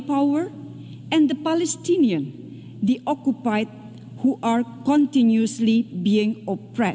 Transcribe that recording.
penghantaran adalah masalah utama